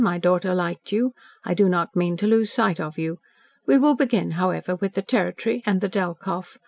My daughter liked you. I do not mean to lose sight of you. We will begin, however, with the territory, and the Delkoff.